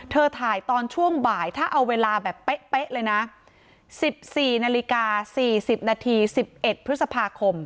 เธอถ่ายตอนช่วงบ่ายถ้าเอาเวลาแบบเป๊ะเป๊ะเลยนะสิบสี่นาฬิกาสี่สิบนาทีสิบเอ็ดพฤษภาคม